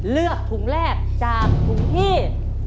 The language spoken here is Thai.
เลือกถุงแรกจากถุงที่